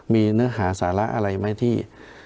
มีเนื้อหาสาระอะไรไหมที่